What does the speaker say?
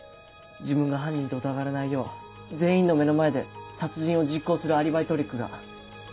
自分が犯人と疑われないよう全員の目の前で殺人を実行するアリバイトリックが。